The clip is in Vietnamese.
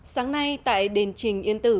sáng nay tại đền trình yên tử